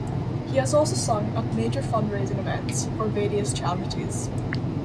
He has also sung at major fund-raising events for various charities.